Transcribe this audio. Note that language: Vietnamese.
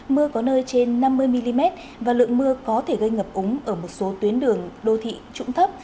mưa có nơi trên năm mươi mm và lượng mưa có thể gây ngập úng ở một số tuyến đường đô thị trụng thấp